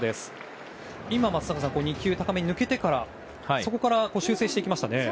今、松坂さん２球、高めに抜けてからそこから修正していきましたね。